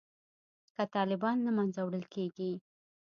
که طالبان له منځه وړل کیږي